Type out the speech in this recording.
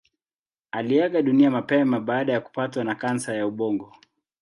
Aliaga dunia mapema baada ya kupatwa na kansa ya ubongo.